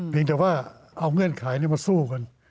เพียงแต่ว่าเอาเงื่อนไขนี้มาสู้กัน